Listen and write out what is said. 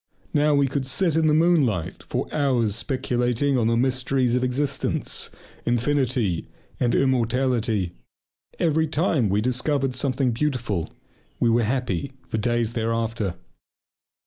Now we could sit in the moonlight for hours speculating on the mysteries of existence, infinity, and immortality. Every time we discovered something beautiful we were happy for days thereafter.